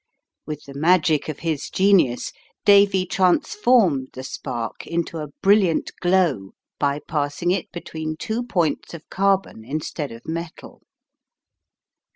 With the magic of his genius Davy transformed the spark into a brilliant glow by passing it between two points of carbon instead of metal.